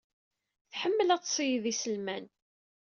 Tḥemmel ad d-tṣeyyed iselman.